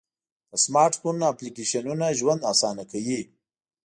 د سمارټ فون اپلیکیشنونه ژوند آسانه کوي.